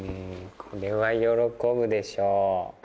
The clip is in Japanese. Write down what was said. これは喜ぶでしょう。